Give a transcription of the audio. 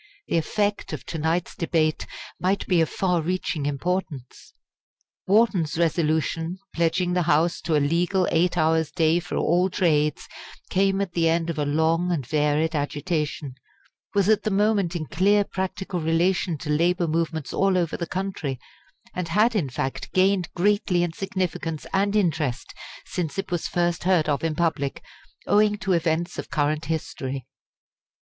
The effect of to night's debate might be of far reaching importance. Wharton's Resolution, pledging the House to a Legal Eight Hours' Day for all trades, came at the end of a long and varied agitation, was at the moment in clear practical relation to labour movements all over the country, and had in fact gained greatly in significance and interest since it was first heard of in public, owing to events of current history.